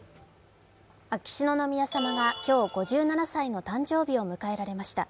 秋篠宮さまが今日、５７歳の誕生日を迎えられました。